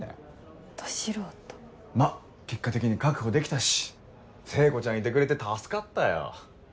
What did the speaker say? まぁ結果的に確保できたし聖子ちゃんいてくれて助かったよ。